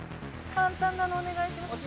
簡単なのお願いします。